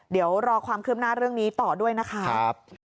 เดี๋ยวรอความคืบหน้าเรื่องนี้ต่อด้วยนะคะ